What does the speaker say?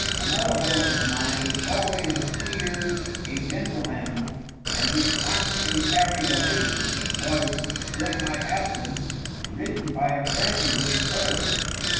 Another horse of mine, which always appeared a gentle animal, and which constantly carried a lady, was, during my absence, ridden by a friend with spurs.